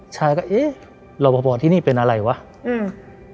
ชายก็เอ๊ะรอบพอพอที่นี่เป็นอะไรวะอืม